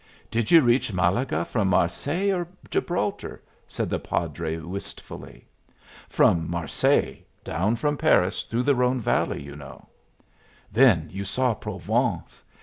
"Did you reach Malaga from Marseilles or Gibraltar?" said the padre, wistfully. "From Marseilles. Down from Paris through the Rhone Valley, you know." "Then you saw Provence!